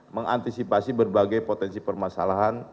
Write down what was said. mengantisipasi berbagai potensi permasalahan